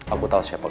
aku tau siapa aku